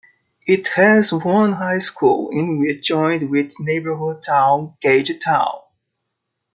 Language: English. It has one high school, in which it joins with neighboring town Gagetown.